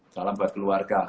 salam buat keluarga